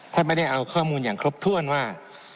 ท่านไม่ได้เอาข้อมูลอย่างครบถ้วนว่า